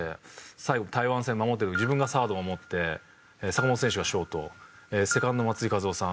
最後台湾戦守ってる時自分がサード守って坂本選手がショートセカンド松井稼頭央さん